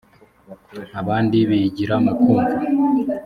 abandi bigira mu kumva